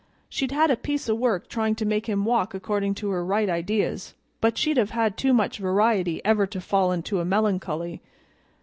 She'd had a piece o' work tryin' to make him walk accordin' to her right ideas, but she'd have had too much variety ever to fall into a melancholy.